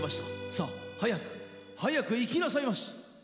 さァ、早く早く行きなさいまし。